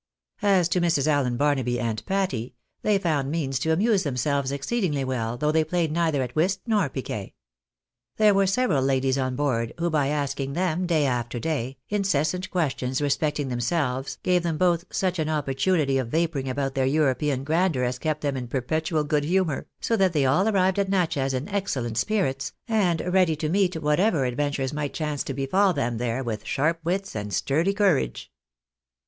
As to Mrs. AUen Barnaby and Patty, they found means to amuse themselves exceedingly well, though they played neither at whist nor piquet. There were several ladies on board, who by asking them, day after day, incessant questions respecting them selves, gave them both such an opportunity of vapouring about their European grandeur as kept them in perpetual good humour, so that they all arrived at Natchez in excellent spirits, and ready to meet whatever adventures might chance to befall them there with sharp wits and sturdy courage. 334 THE BAENABYS IN AMERICA.